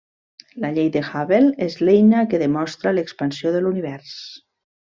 La llei de Hubble és l'eina que demostra l'expansió de l'univers.